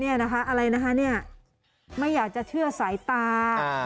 นี่นะคะอะไรนะคะไม่อยากจะเชื่อสายตา